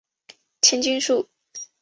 千筋树